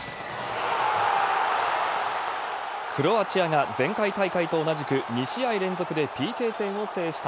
クロアチアが前回大会と同じく２試合連続でＰＫ戦を制した。